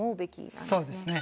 そうですね。